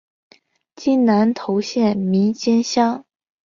今南投县名间乡。